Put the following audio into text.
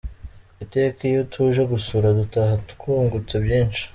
Iteka iyo tuje gusura dutaha twungutse byinshi.